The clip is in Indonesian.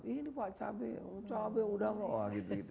ini pak cabai cabai udama